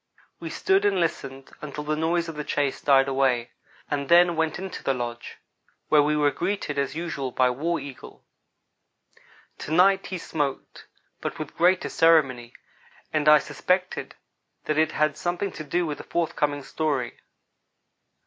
We stood and listened until the noise of the chase died away, and then went into the lodge, where we were greeted, as usual, by War Eagle. To night he smoked; but with greater ceremony, and I suspected that it had something to do with the forthcoming story.